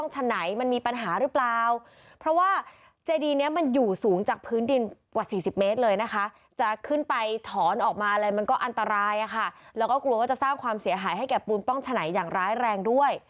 เหมือนเป็นร่มโพร่มไซม์จริง